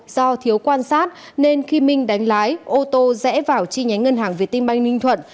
do thiếu quan sát nên khi minh đánh lái ô tô rẽ vào chi nhánh ngân hàng việt tim banh ninh thuận